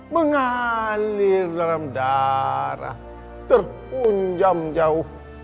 mengalir dalam darah terpunjam jauh